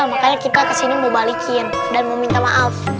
makanya kita kesini mau balikin dan mau minta maaf